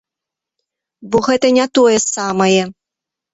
Бо гэта не тое самае.